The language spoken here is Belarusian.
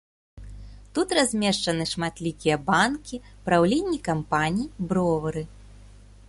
Тут размешчаны шматлікія банкі, праўленні кампаній, бровары.